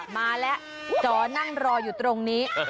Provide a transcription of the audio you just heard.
มาแล้วจ๋อนั่งรออยู่ตรงนี้